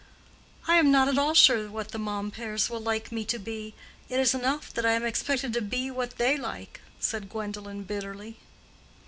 "I am not at all sure what the Momperts will like me to be. It is enough that I am expected to be what they like," said Gwendolen bitterly.